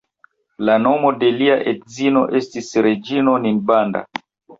La nomo de lia edzino estis reĝino Ninbanda.